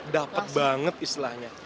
dapat banget istilahnya